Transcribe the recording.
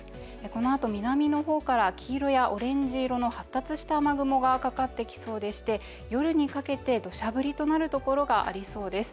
このあと南の方から黄色やオレンジ色の発達した雨雲がかかってきそうでして夜にかけてどしゃ降りとなるところがありそうです。